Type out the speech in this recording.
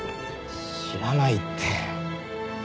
知らないって。